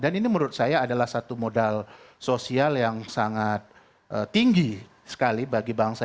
dan ini menurut saya adalah satu modal sosial yang sangat tinggi sekali bagi bangsa